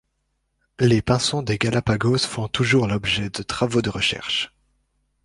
Les pinsons des Galápagos font toujours l'objet de travaux de recherches.